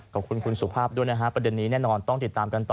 ขอบคุณคุณสุภาพด้วยนะฮะประเด็นนี้แน่นอนต้องติดตามกันต่อ